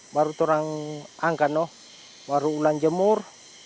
baru turang angkat baru ulang jemur